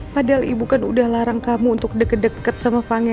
padahal ibu kan udah larang kamu untuk deket deket sama pangeran